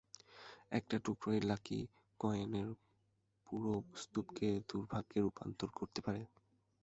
একটা টুকরোই লাকি কয়েনের পুরো স্তূপকে দুর্ভাগ্যে রূপান্তর করতে পারে।